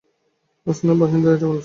স্থানীয় বাসিন্দারা এটাই বলছে।